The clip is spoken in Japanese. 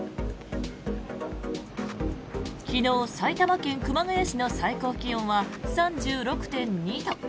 昨日、埼玉県熊谷市の最高気温は３６．２度。